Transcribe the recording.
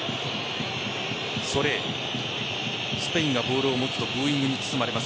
スペインがボールを持つとブーイングに包まれます